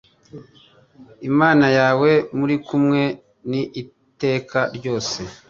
Imana yawe muri kumwe n iteka ryose